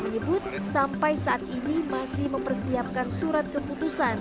menyebut sampai saat ini masih mempersiapkan surat keputusan